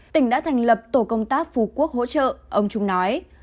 tỉnh đã thành lập tổ công tác phú quốc hỗ trợ ông trung nói